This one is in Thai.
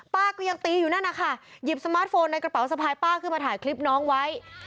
ป้าก็ยังตีอยู่นั่นนะคะหยิบสมาร์ทโฟนในกระเป๋าสะพายป้าขึ้นมาถ่ายคลิปน้องไว้